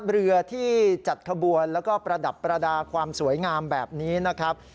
เรือที่จัดขบวนแล้วก็ประดับประดาษความสวยงามแบบนี้นะครับ